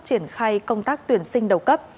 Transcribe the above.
triển khai công tác tuyển sinh đầu cấp